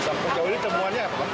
sampai jauh ini tembuhannya apa